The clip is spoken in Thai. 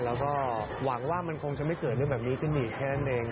แล้วก็หวังว่ามันคงจะไม่เกิดเรื่องแบบนี้ขึ้นอีกแค่นั้นเอง